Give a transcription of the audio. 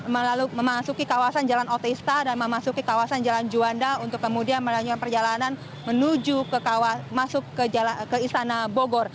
melalui memasuki kawasan jalan otesta dan memasuki kawasan jalan juanda untuk kemudian melanjutkan perjalanan menuju ke istana bogor